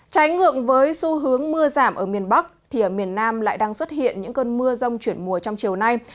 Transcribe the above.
trái ngược với xu hướng mưa giảm ở miền bắc thì ở miền nam lại đang xuất hiện những cơn mưa rông chuyển mùa trong chiều nay